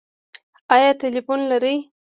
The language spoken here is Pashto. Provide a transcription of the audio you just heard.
ایا ټیلیفون لرئ؟